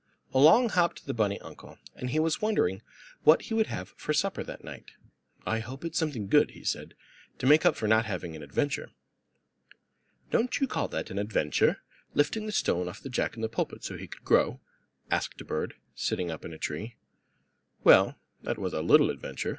Along hopped the bunny uncle, and he was wondering what he would have for supper that night. "I hope it's something good," he said, "to make up for not having an adventure." "Don't you call that an adventure lifting the stone off the Jack in the Pulpit so he could grow?" asked a bird, sitting up in a tree. "Well, that was a little adventure."